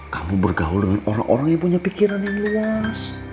kamu bergaul dengan orang orang yang punya pikiran yang luas